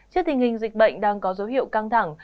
trước tình hình dịch bệnh đang có dấu hiệu căng thẳng